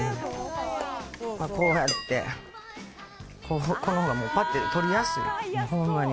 こうやってこのほうがパッて取りやすいホンマに。